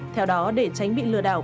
theo đó để tránh bị lừa đảo